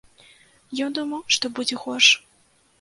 Ён думаў, што будзе горш.